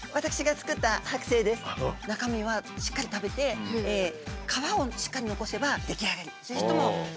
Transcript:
これ中身はしっかり食べて皮をしっかり残せば出来上がり。